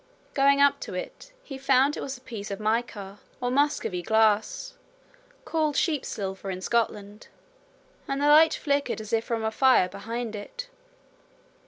Going up to it, he found it was a piece of mica, or Muscovy glass, called sheep silver in Scotland, and the light flickered as if from a fire behind it.